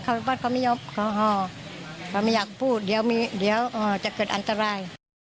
เขาบ้านเขาไม่ยอมเขาไม่อยากพูดเดี๋ยวจะเกิดอันตราย